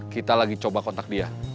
kita lagi coba kontak dia